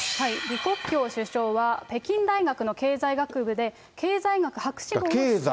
李克強首相は、北京大学の経済学部で経済学博士号を取得。